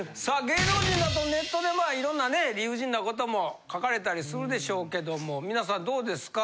芸能人だとネットでまあいろんなね理不尽なことも書かれたりするでしょうけども皆さんどうですか？